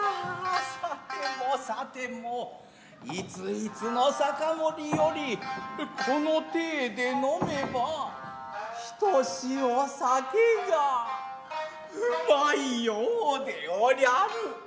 さてもさてもいついつの酒盛よりこの体で呑めばひとしお酒が旨いようでおりゃる。